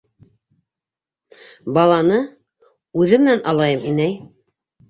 Баланы... үҙем менән алайым, инәй!